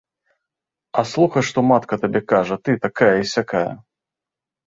А слухай, што матка табе кажа, ты, такая і сякая!